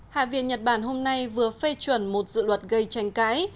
hạ viện nhật bản hôm nay vừa phê chuẩn một dự luật gây tranh cãi